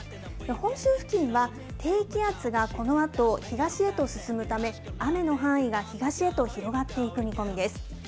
本州付近は、低気圧がこのあと東へと進むため、雨の範囲が東へと広がっていく見込みです。